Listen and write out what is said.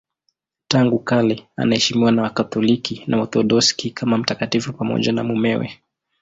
Tangu kale anaheshimiwa na Wakatoliki na Waorthodoksi kama mtakatifu pamoja na mumewe.